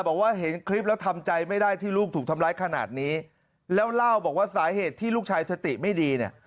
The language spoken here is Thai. บอกว่าเห็นคลิปแล้วทำใจไม่ได้ที่ลูกถูกทำร้ายขนาดนี้แล้วเล่าบอกว่าสาเหตุที่ลูกชายสติไม่ดีเนี่ย